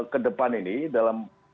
ke depan ini dalam